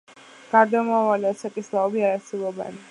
გარდამავალი ასაკის ლავები არ არსებობენ.